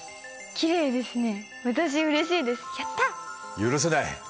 許せない。